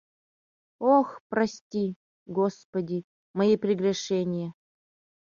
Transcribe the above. Ох, прости, господи, мои прегрешения.